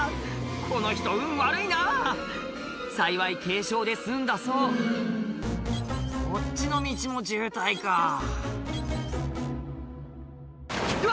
この人運悪いな幸い軽傷で済んだそうこっちの道も渋滞かうわ！